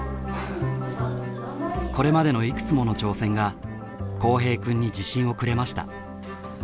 これまでのいくつもの挑戦が幸平くんに自信をくれました。